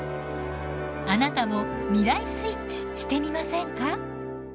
あなたも未来スイッチしてみませんか？